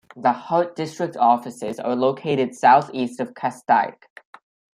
The Hart District offices are located southeast of Castaic.